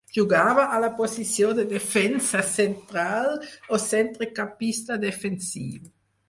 Jugava a la posició de defensa central o centrecampista defensiu.